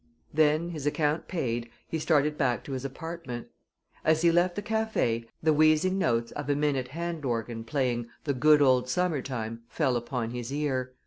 Then, his account paid, he started back to his apartment. As he left the café the wheezing notes of a minute hand organ playing "The Good Old Summer time" fell upon his ear.